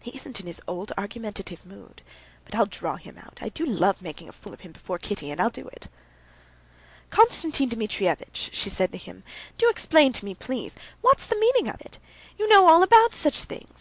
"He isn't in his old argumentative mood. But I'll draw him out. I do love making a fool of him before Kitty, and I'll do it." "Konstantin Dmitrievitch," she said to him, "do explain to me, please, what's the meaning of it. You know all about such things.